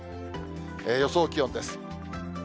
予想気温です。